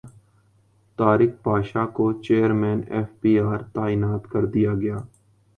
طارق پاشا کو chairman F B R تعینات کردیاگیا